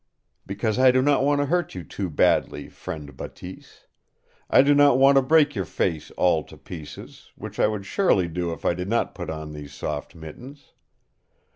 Because I do not want to hurt you too badly, friend Bateese! I do not want to break your face all to pieces, which I would surely do if I did not put on these soft mittens.